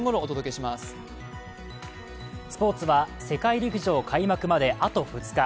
スポーツは世界陸上開幕まであと２日。